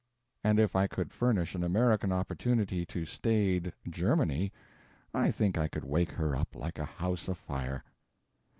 And if I could furnish an American opportunity to staid Germany, I think I could wake her up like a house afire.